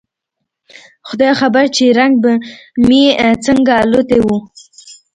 خداى خبر چې رنگ به مې څنګه الوتى و.